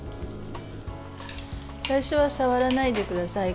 最初は触らないでください。